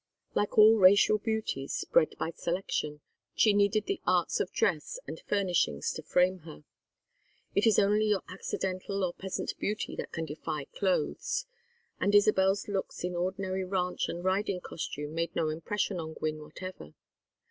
Like all racial beauties, bred by selection, she needed the arts of dress and furnishings to frame her. It is only your accidental or peasant beauty that can defy "clothes"; and Isabel's looks in ordinary ranch and riding costumes made no impression on Gwynne whatever.